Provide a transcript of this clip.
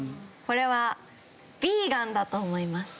これはヴィーガンだと思います。